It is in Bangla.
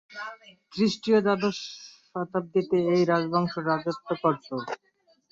খ্রিস্টীয় দ্বাদশ শতাব্দীতে এই রাজবংশ রাজত্ব করত।